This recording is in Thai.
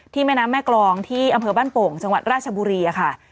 แม่น้ำแม่กรองที่อำเภอบ้านโป่งจังหวัดราชบุรีค่ะ